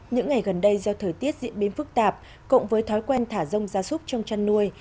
những ngày gần đây do thời tiết diễn biến phức tạp cộng với thói quen thả rông gia súc trong chăn nuôi